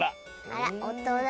あらおとな！